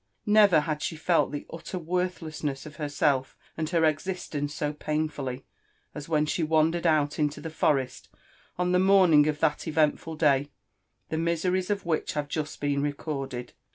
Ttev^r had she fell the utter worthlessness of herself and her citBtence so painfully, as when she wandered oat Into tbe forest on the morning of that eventful day, th have been just recorded.